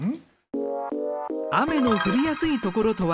雨の降りやすいところとは？